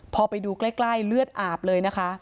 พอไปดูใกล้เลือดอาบเลยนะคะ